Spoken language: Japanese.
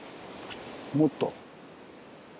もっと？